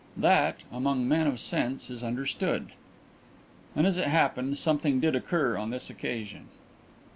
That, among men of sense, is understood." And, as it happened, something did occur on this occasion.